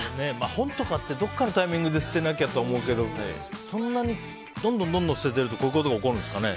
本とかってどこかのタイミングで捨てなきゃと思うけどそんなにどんどん捨ててるとこういうこと起きるんですかね。